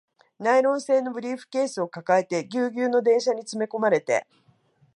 ナイロン製のブリーフケースを抱えて、ギュウギュウの電車に詰め込まれて